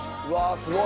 すごい。